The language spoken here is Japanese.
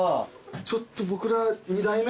ちょっと僕ら。